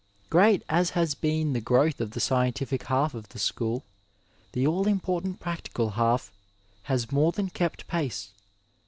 Great as has been the growth of the scientific half of the school, the all im portant practical half has more than kept pace.